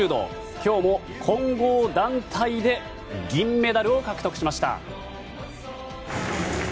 今日も混合団体で銀メダルを獲得しました。